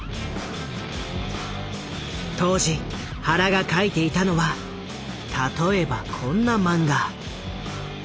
当時原が描いていたのは例えばこんな漫画。